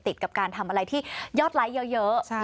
ติดกับการทำอะไรที่ยอดไลค์เยอะ